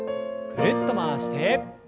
ぐるっと回して。